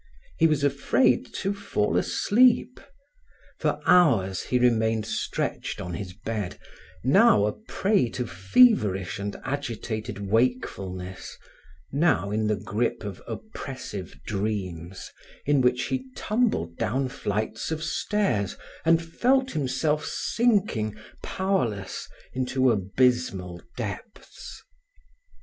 He was afraid to fall asleep. For hours he remained stretched on his bed, now a prey to feverish and agitated wakefulness, now in the grip of oppressive dreams in which he tumbled down flights of stairs and felt himself sinking, powerless, into abysmal depths.